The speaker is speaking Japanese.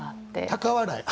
高笑い？